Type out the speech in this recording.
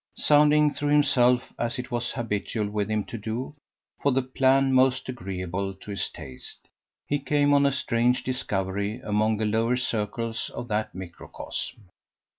Sounding through himself, as it was habitual with him to do, for the plan most agreeable to his taste, he came on a strange discovery among the lower circles of that microcosm.